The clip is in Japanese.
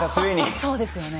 そうですよね。